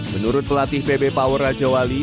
menurut pelatih pb power raja wali